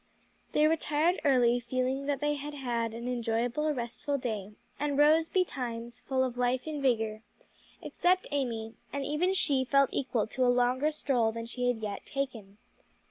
They retired early, feeling that they had had an enjoyable, restful day, and rose betimes, full of life and vigor except Amy; and even she felt equal to a longer stroll than she had yet taken.